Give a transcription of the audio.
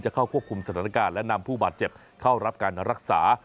เข้าควบคุมสถานการณ์และนำผู้บาดเจ็บเข้ารับการรักษา